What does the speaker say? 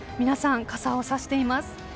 皆さん傘をさしています。